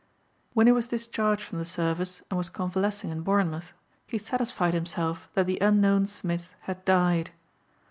When he was discharged from the service and was convalescing in Bournemouth he satisfied himself that the unknown Smith had died.